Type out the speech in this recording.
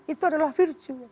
itu adalah virtue